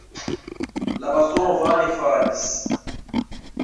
La bastono vane falis.